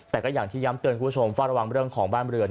แต่ก็อย่างที่ย้ำเตือนคุณผู้ชมเฝ้าระวังเรื่องของบ้านเรือน